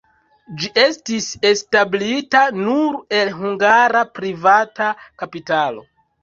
Ĝi estis establita nur el hungara privata kapitalo.